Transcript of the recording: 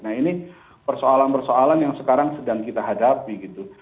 nah ini persoalan persoalan yang sekarang sedang kita hadapi gitu